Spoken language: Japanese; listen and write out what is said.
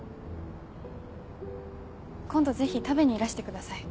今度ぜひ食べにいらしてください。